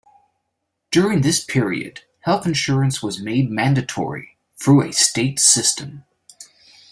During this period, health insurance was made mandatory through a state system.